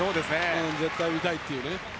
絶対に見たいという。